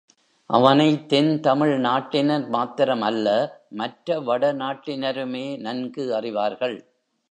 அவனைத் தென் தமிழ் நாட்டினர் மாத்திரம் அல்ல மற்ற வடநாட்டினருமே நன்கு அறிவார்கள்.